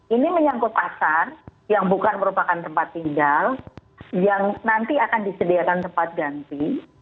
ini menyangkut pasar yang bukan merupakan tempat tinggal yang nanti akan disediakan tempat ganti